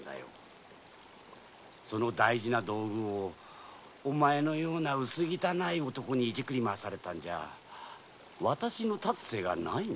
その大事な道具をお前のようなうす汚い男にいじくり回されては私の立つ瀬が無い。